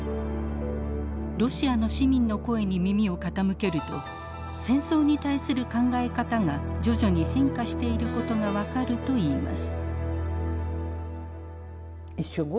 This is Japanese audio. ロシアの市民の声に耳を傾けると戦争に対する考え方が徐々に変化していることが分かるといいます。